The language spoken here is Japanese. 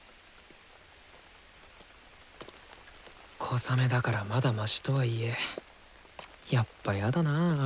小雨だからまだマシとはいえやっぱやだなぁ雨。